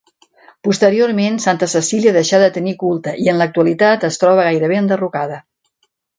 Posteriorment, Santa Cecília deixà de tenir culte i en l'actualitat es troba gairebé enderrocada.